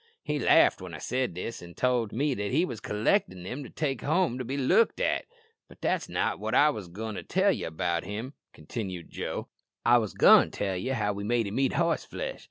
"He laughed when I said this, an' told me he wos collectin' them to take home to be looked at. But that's not wot I was goin' to tell ye about him," continued Joe; "I wos goin' to tell ye how we made him eat horseflesh.